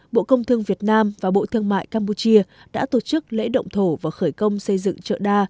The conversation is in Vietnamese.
bộ công thương việt nam và bộ thương mại campuchia đã tổ chức lễ động thổ và khởi công xây dựng chợ đa